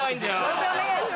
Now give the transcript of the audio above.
判定お願いします。